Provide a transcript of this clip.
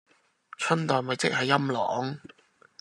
春袋咪即係陰嚢